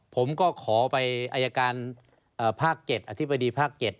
ผมก็ขอไปอายการภาคเก็ตอธิบดีภาคเก็ต